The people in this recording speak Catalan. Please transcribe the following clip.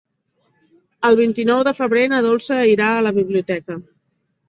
El vint-i-nou de febrer na Dolça irà a la biblioteca.